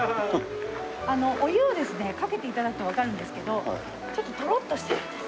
お湯をですねかけて頂くとわかるんですけどちょっとトロッとしてるんです。